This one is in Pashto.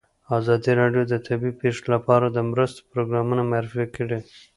ازادي راډیو د طبیعي پېښې لپاره د مرستو پروګرامونه معرفي کړي.